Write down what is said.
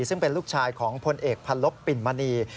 ซึ่งเป็นลูกชายของพลเอกพันลบปิ่นมณี